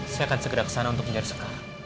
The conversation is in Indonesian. saya akan segera kesana untuk mencari sekar